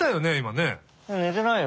ねてないよ。